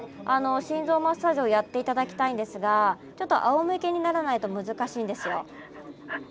心臓マッサージをやって頂きたいんですがちょっとあおむけにならないと難しいんですよ。